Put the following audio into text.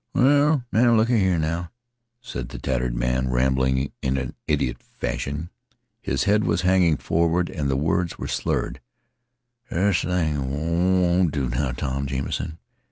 "Well, now look a here now," said the tattered man, rambling on in idiot fashion. His head was hanging forward and his words were slurred. "This thing won't do, now, Tom Jamison.